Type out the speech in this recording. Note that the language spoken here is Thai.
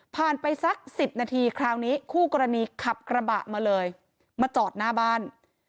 ไปสัก๑๐นาทีคราวนี้คู่กรณีขับกระบะมาเลยมาจอดหน้าบ้าน